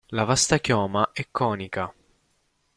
La vasta chioma è conica.